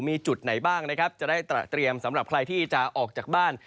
มีจุดไหนบ้างนะครับจะได้เตรียมสำหรับใครที่จะออกจากบ้าน